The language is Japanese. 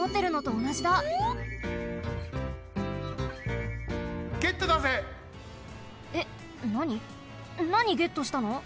なにゲットしたの？